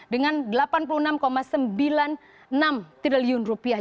dan delapan puluh enam sembilan puluh enam triliun rupiah